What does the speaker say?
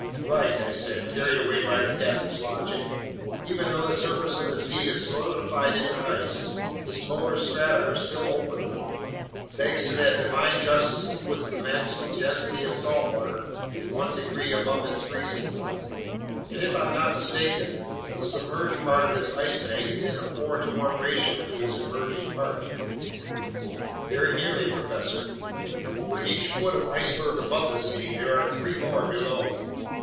"Right," I said, carried away by the captain's logic. "Even though the surface of the sea has solidified into ice, its lower strata are still open, thanks to that divine justice that puts the maximum density of salt water one degree above its freezing point. And if I'm not mistaken, the submerged part of this Ice Bank is in a four to one ratio to its emerging part." "Very nearly, professor. For each foot of iceberg above the sea, there are three more below.